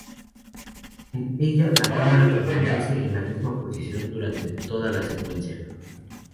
En ella la cámara permanece en la misma posición durante toda la secuencia.